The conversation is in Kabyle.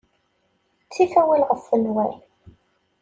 Ttif awal ɣef nnwal.